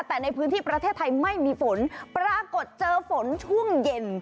แต่ในพื้นที่ประเทศไทยไม่มีฝนปรากฏเจอฝนช่วงเย็น